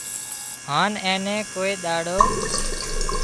هانَ اين نين ڪوئي ۮاڙو